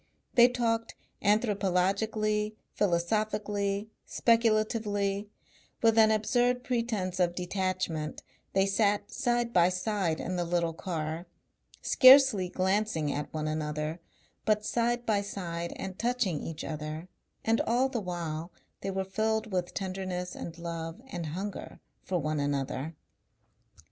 They talked anthropologically, philosophically, speculatively, with an absurd pretence of detachment, they sat side by side in the little car, scarcely glancing at one another, but side by side and touching each other, and all the while they were filled with tenderness and love and hunger for one another.